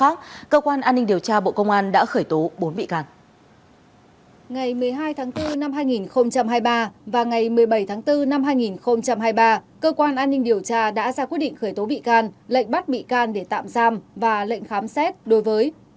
ngày một mươi hai tháng bốn năm hai nghìn hai mươi ba và ngày một mươi bảy tháng bốn năm hai nghìn hai mươi ba cơ quan an ninh điều tra đã ra quyết định khởi tố bị can lệnh bắt bị can để tạm giam và lệnh khám xét đối với